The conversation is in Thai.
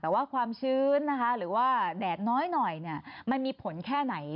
แต่ว่าความชื้นนะคะหรือว่าแดดน้อยหน่อยเนี่ยมันมีผลแค่ไหน